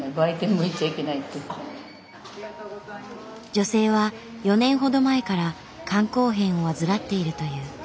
女性は４年ほど前から肝硬変を患っているという。